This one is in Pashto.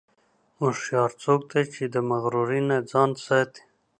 هوښیار څوک دی چې د مغرورۍ نه ځان ساتي.